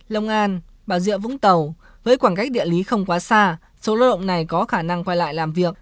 long an bảo địa vũng tàu với khoảng cách địa lý không quá xa số lao động này có khả năng quay lại làm việc